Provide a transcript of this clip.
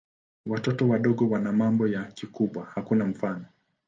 Watoto wadogo wana mambo ya kikubwa hakuna mfano.